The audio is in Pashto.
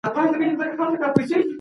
د ميرمني د کار کولو دوهم شرط.